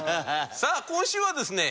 さあ今週はですね